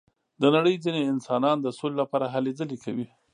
د نړۍ ځینې انسانان د سولې لپاره هلې ځلې کوي.